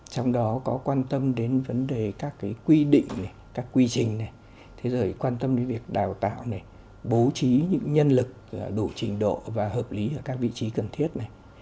trong đó có quan tâm đến vấn đề các quy định các quy trình quan tâm đến việc đào tạo bố trí những nhân lực đủ trình độ và hợp lý ở các vị trí cần thiết